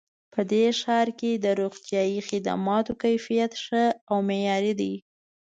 په دې ښار کې د روغتیایي خدماتو کیفیت ښه او معیاري ده